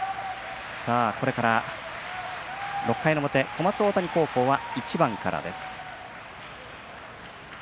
これから６回の表小松大谷高校は１番からです。